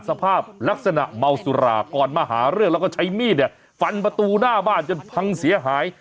สภาพลักษณะเมาสุราก่อนมาหาเรื่องแล้วก็ใช้มีดเนี่ยฟันประตูหน้าบ้านจนพังเสียหาย